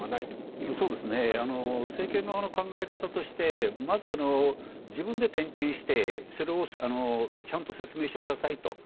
政権側の考え方としてまず、自分で点検してそれをちゃんと説明してくださいと。